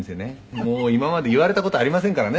「もう今まで言われた事ありませんからね